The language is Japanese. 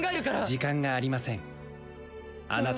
時間がありません